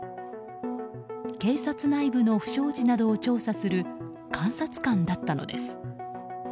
警察内部の不祥事などを調査する監察官だったのです。